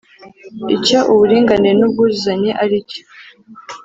icyo uburinganire n’ubwuzuzanye ari cyo.